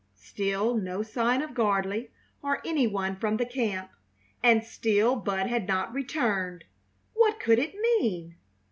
Still no sign of Gardley or any one from the camp, and still Bud had not returned! What could it mean?